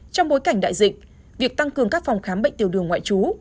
trong bối cảnh đại dịch việc tăng cường các phòng khám bệnh tiểu đường ngoại trú